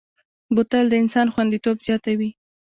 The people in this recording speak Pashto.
بوتل د انسان خوندیتوب زیاتوي.